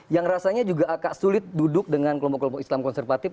yang rasanya juga agak sulit duduk dengan kelompok kelompok islam konservatif